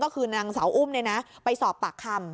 ก็คือนางสาวอุ้มไปสอบปากคำ